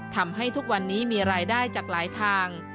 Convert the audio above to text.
ทำให้ทุกวันนี้มีรายได้จากหลายทาง